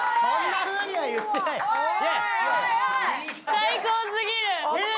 最高過ぎる！